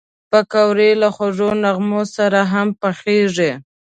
پکورې له خوږو نغمو سره هم پخېږي